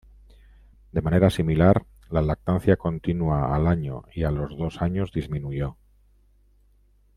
De manera similar, la lactancia continua al año y a los dos años disminuyó.